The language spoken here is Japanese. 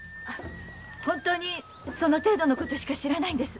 本当にその程度のことしか知らないんです。